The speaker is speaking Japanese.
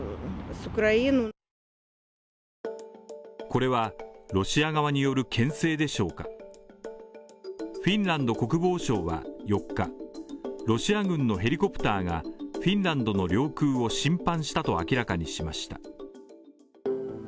これはロシア側による牽制でしょうかフィンランド国防省は４日、ロシア軍のヘリコプターが、フィンランドの領空を侵犯したと明らかにしました。